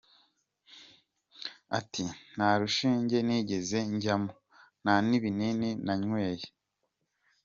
Ati “Nta rushinge nigeze njyamo, nta n’ibinini nanyweye.